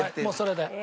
もうそれで。